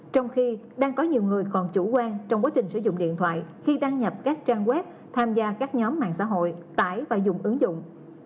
trong khi đang có nhiều người còn chủ quan trong quá trình sử dụng điện thoại khi đăng nhập các trang web tham gia các nhóm mạng xã hội tải và dùng ứng dụng